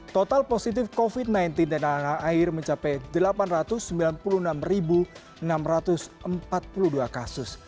total positif covid sembilan belas di tanah air mencapai delapan ratus sembilan puluh enam enam ratus empat puluh dua kasus